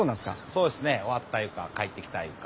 そうですね終わったいうか帰ってきたいうか。